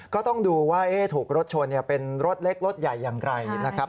ก็ต้องดูว่าถูกรถชนเป็นรถเล็กรถใหญ่อย่างไรนะครับ